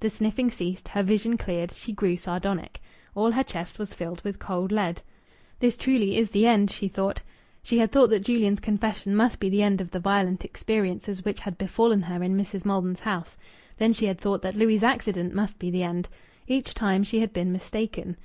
The sniffing ceased, her vision cleared; she grew sardonic. All her chest was filled with cold lead. "This truly is the end," she thought. She had thought that Julian's confession must be the end of the violent experiences which had befallen her in Mrs. Malden's house. Then she had thought that Louis' accident must be the end. Each time she had been mistaken.